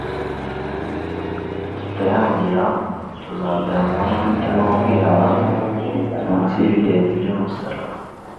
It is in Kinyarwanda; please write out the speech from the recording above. Nitutayangira, tuzajyanwa n'umutima wo kwihana munsi y'ibirenge by'umusaraba,